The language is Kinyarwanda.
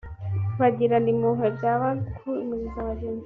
bagirana impuhwe byaba guhumuriza bagenzi babo